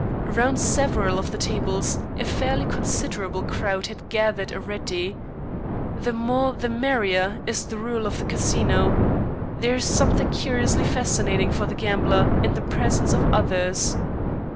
Round several of the tables a fairly considerable crowd had gathered already. The more, the merrier, is the rule of the Casino. There is something curiously fascinating for the gambler in the presence of others.